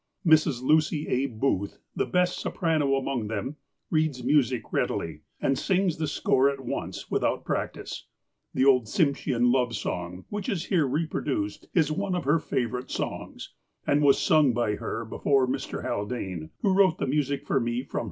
Mrs. Lucy A. Booth, the best soprano amoug them, reads music readily, and sings the score at once without practice. The old Tshimsheau love song, which is here reproduced, is one of her favourite songs, and was sung by her before Mr. Haldane, who wrote the music for me from her singing.